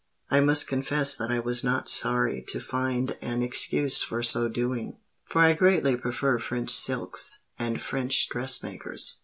I must confess that I was not sorry to find an excuse for so doing; for I greatly prefer French silks and French dressmakers.